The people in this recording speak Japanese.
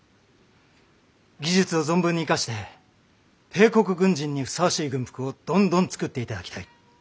技術を存分に生かして帝国軍人にふさわしい軍服をどんどん作っていただきたい。